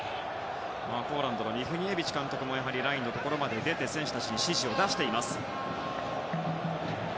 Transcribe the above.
ポーランドのミフニエビチ監督もラインのところまで出て選手に指示を出していました。